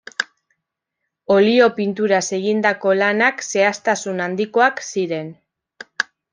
Olio pinturaz egindako lanak zehaztasun handikoak ziren.